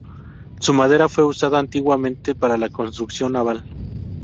Su madera fue usada antiguamente para la construcción naval.